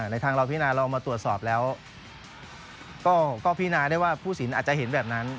ทางเราพินาเรามาตรวจสอบแล้วก็พินาได้ว่าผู้สินอาจจะเห็นแบบนั้น